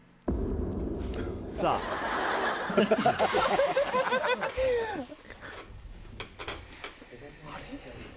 さああれ？